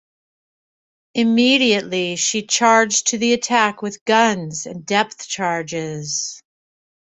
Immediately, she charged to the attack with guns and depth charges.